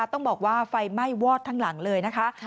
ต้องบอกว่าไฟไหม้วอดทั้งหลังเลยนะคะ